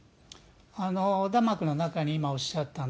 横断幕の中に今おっしゃった